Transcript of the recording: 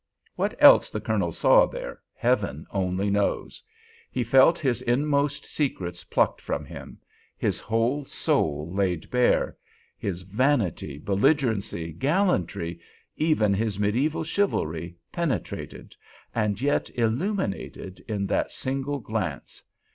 What else the Colonel saw there Heaven only knows! He felt his inmost secrets plucked from him—his whole soul laid bare—his vanity, belligerency, gallantry—even his medieval chivalry, penetrated, and yet illuminated, in that single glance.